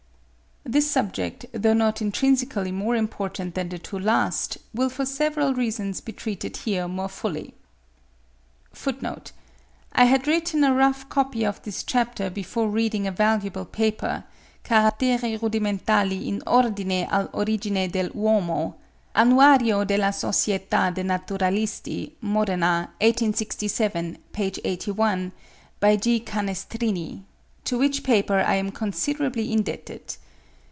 This subject, though not intrinsically more important than the two last, will for several reasons be treated here more fully. (22. I had written a rough copy of this chapter before reading a valuable paper, "Caratteri rudimentali in ordine all' origine dell' uomo" ('Annuario della Soc. d. Naturalisti,' Modena, 1867, p. 81), by G. Canestrini, to which paper I am considerably indebted.